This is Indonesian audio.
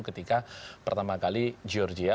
ketika pertama kali georgia